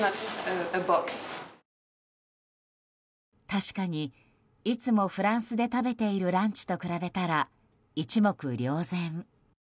確かにいつもフランスで食べているランチと比べたら、一目瞭然。